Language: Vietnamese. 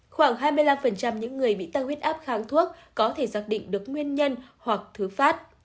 khoảng hai mươi năm những người bị tăng huyết áp kháng thuốc có thể xác định được nguyên nhân hoặc thứ phát